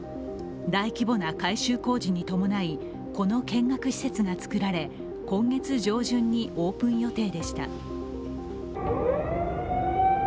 大規模な改修工事に伴いこの見学施設が造られ今月上旬にオープン予定でした。